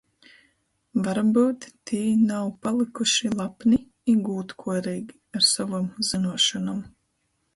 Varbyut tī nav palykuši lapni i gūdkuoreigi ar sovom zynuošonom?